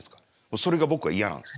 それが僕は嫌なんです。